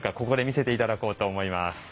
ここで見せて頂こうと思います。